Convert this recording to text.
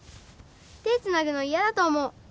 手つなぐの嫌だと思う。